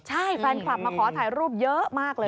ใช่แฟนคลับมาขอถ่ายรูปเยอะมากเลย